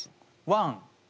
「ワン」。